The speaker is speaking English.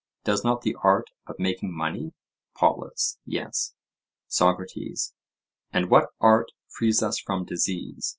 Does not the art of making money? POLUS: Yes. SOCRATES: And what art frees us from disease?